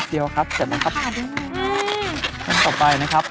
อันนี้ก็จะผูกเป็นจมูกผมนะครับ